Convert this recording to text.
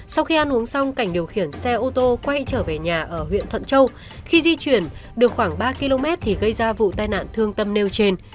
sau khi ăn uống xong cảnh điều khiển xe ô tô quay trở về nhà ở huyện thuận châu khi di chuyển được khoảng ba km thì gây ra vụ tai nạn thương tâm nêu trên